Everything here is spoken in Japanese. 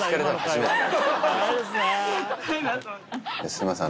すいません